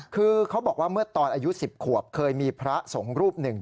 คือเขาบอกว่าเมื่อตอนอายุ๑๐ขวบเคยมีพระสงฆ์รูปหนึ่ง